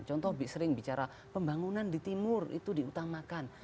contoh sering bicara pembangunan di timur itu diutamakan